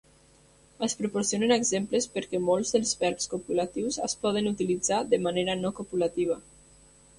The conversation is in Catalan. Es proporcionen exemples perquè molts dels verbs copulatius es poden utilitzar de manera no copulativa.